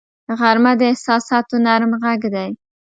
غرمه د احساساتو نرم غږ دی